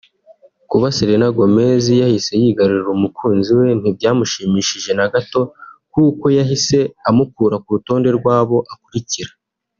Kuba Selena Gomez yahise yigarurira umukunzi we ntibyamushimishije na gato kuko yahise amukura ku rutonde rw’abo akurikira